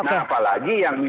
nah apalagi yang ini